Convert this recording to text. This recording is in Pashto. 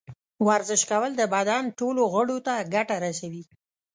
ورزش کول د بدن ټولو غړو ته ګټه رسوي.